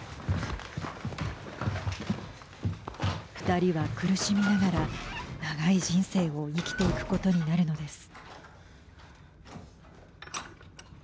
２人は苦しみながら長い人生を生きていくことになるのです。